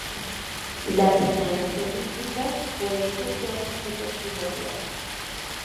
Las enanas elípticas puede que sean objetos primordiales.